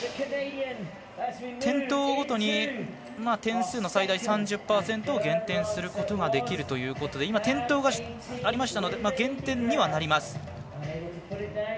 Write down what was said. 転倒ごとに、点数の最大３０％を減点することができるということで今、転倒がありましたので減点にはなります。